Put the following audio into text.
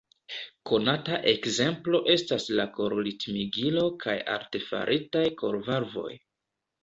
Konata ekzemplo estas la kor-ritmigilo kaj artefaritaj kor-valvoj.